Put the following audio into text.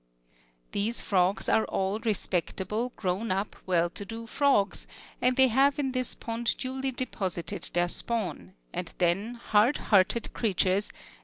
These frogs are all respectable, grown up, well to do frogs, and they have in this pond duly deposited their spawn, and then, hard hearted creatures!